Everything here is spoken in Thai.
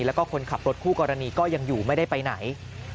แล้วก็คนขับรถคู่กรณีก็ยังอยู่ไม่ได้ไปไหน